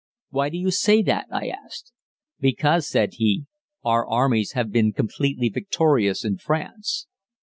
"Why do you say that?" I asked. "Because," said he, "our armies have been completely victorious in France."